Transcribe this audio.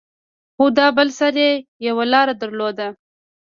خو دا بل سر يې يوه لاره درلوده.